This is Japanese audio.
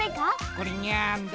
これニャンだ？